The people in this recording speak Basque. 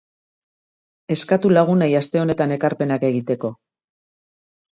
Eskatu lagunei aste honetan ekarpenak egiteko.